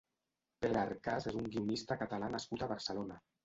Pere Arcas és un guionista catalá nascut a Barcelona.